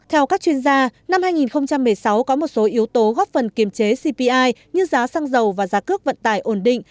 theo các chuyên gia năm hai nghìn một mươi sáu có một số yếu tố góp phần kiềm chế cpi như giá xăng dầu và giá cước vận tải ổn định